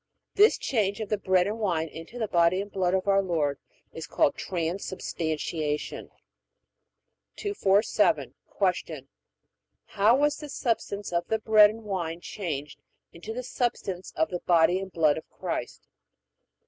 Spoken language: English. This change of the bread and wine into the body and blood of our Lord is called Transubstantiation. 247. Q. How was the substance of the bread and wine changed into the substance of the body and blood of Christ?